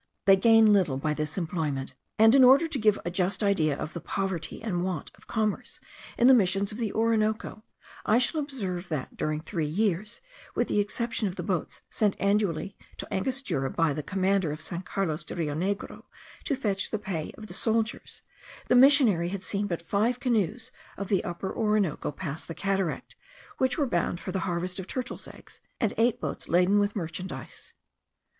They gain little by this employment; and in order to give a just idea of the poverty and want of commerce in the missions of the Orinoco, I shall observe that during three years, with the exception of the boats sent annually to Angostura by the commander of San Carlos de Rio Negro, to fetch the pay of the soldiers, the missionary had seen but five canoes of the Upper Orinoco pass the cataract, which were bound for the harvest of turtles' eggs, and eight boats laden with merchandize.